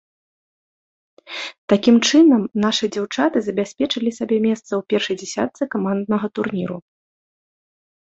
Такім чынам, нашы дзяўчаты забяспечылі сабе месца ў першай дзесятцы каманднага турніру.